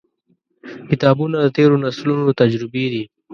• کتابونه، د تیرو نسلونو تجربې دي.